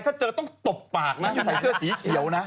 ถ้าเจอต้องตบปากนะใส่เสื้อสีเขียวนะ